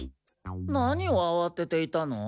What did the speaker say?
何をあわてていたの？